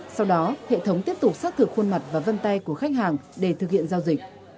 sau đó hệ thống tiếp tục xác thực khuôn mặt và vân tay của khách hàng để thực hiện giao dịch